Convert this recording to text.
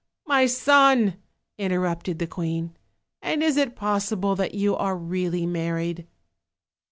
my son," interrupted the queen, "and is it pos sible that you are really married?"